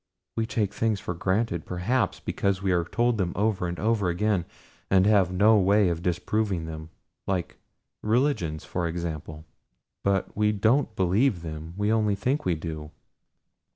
We take things for granted, perhaps, because we are told them over and over again, and have no way of disproving them like religions, for example; but we don't believe them, we only think we do.